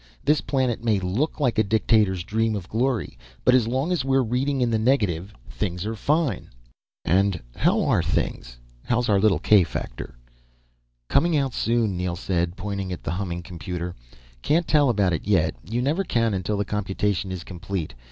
This planet may look like a dictator's dream of glory, but as long as we're reading in the negative things are fine." "And how are things? How's our little k factor?" "Coming out soon," Neel said, pointing at the humming computer. "Can't tell about it yet. You never can until the computation is complete.